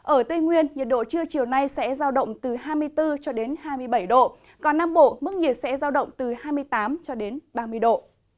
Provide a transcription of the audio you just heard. ở tây nguyên nhiệt độ trưa chiều nay sẽ giao động từ hai mươi bốn cho đến hai mươi bảy độ còn nam bộ mức nhiệt sẽ giao động từ hai mươi tám cho đến ba mươi độ